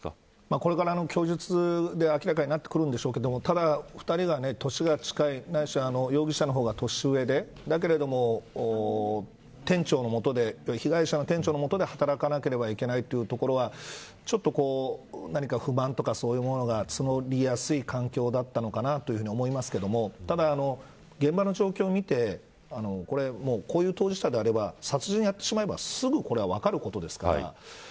これから供述で明らかになると思いますが二人は年が近くて容疑者の方が年上でだけれども被害者の店長の下で働かなくてはいけないというところで何か不満などが募りやすい環境だったのかなとは思いますがただ、現場の状況を見てこういう当事者であれば殺人をしてしまえばすぐに分かることですから。